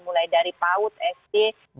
mulai dari paud sd